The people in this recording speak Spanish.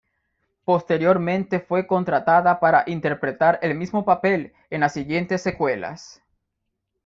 Posteriormente fue contratada para interpretar el mismo papel en las siguientes secuelas.